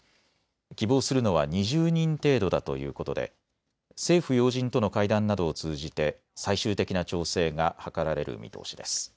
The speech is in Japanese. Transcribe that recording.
希望するのは２０人程度だということで政府要人との会談などを通じて最終的な調整が図られる見通しです。